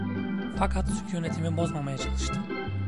Fakat sükûnetimi bozmamaya çalıştı.